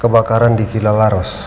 kebakaran di villa laros